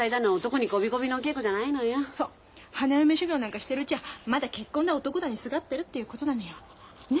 花嫁修業なんかしてるうちはまだ結婚だ男だにすがってるっていうことなのよ。ね！